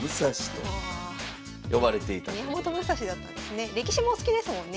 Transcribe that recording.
宮本武蔵だったんですね。